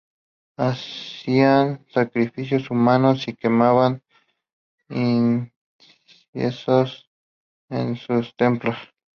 Hacían sacrificios humanos y quemaban incienso en sus templos.